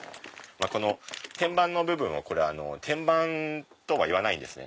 この天板の部分を天板とは言わないんですね。